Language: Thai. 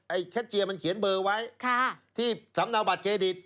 แคทเชียร์มันเขียนเบอร์ไว้ที่สำเนาบัตรเครดิต